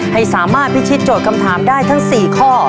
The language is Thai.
ให้สามารถพิชิตโจทย์คำถามได้ทั้ง๔ข้อ